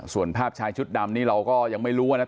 ส่วนภาพชายชุดดำนี่เราก็ยังไม่รู้ว่า